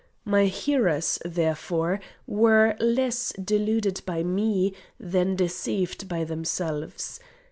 My hearers, therefore, were less deluded by me, than deceived by themselves.